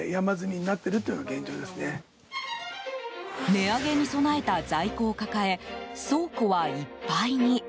値上げに備えた在庫を抱え倉庫はいっぱいに。